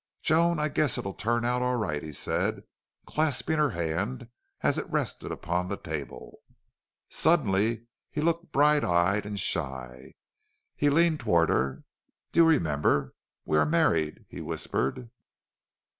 "Joan, I guess it'll turn out all right," he said, clasping her hand as it rested upon the table. Suddenly he looked bright eyed and shy. He leaned toward her. "Do you remember we are married?" he whispered.